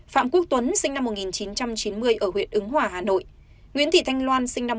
phạm quốc tuấn sinh năm một nghìn chín trăm chín mươi ở huyện ứng hòa hà nội nguyễn thị thanh loan sinh năm một nghìn chín trăm tám